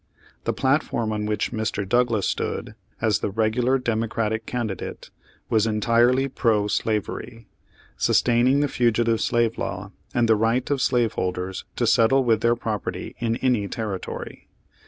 The platform on which Mr. Douglas stood, as the regular Democratic candi date, was entirely pro slavery; sustaining the Fugitive Slave Law and the right of slaveholders to settle with their property in any territory.